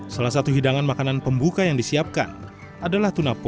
salah satu hidangan makanan pembuka yang disiapkan adalah tunapu